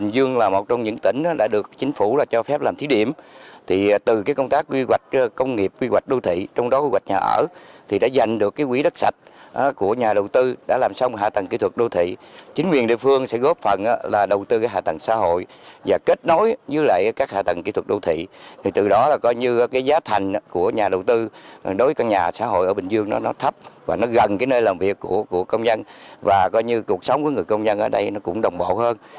gần nơi làm việc của công dân và cuộc sống của người công dân ở đây cũng đồng bộ hơn